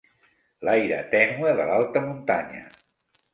L'aire tènue de l'alta muntanya.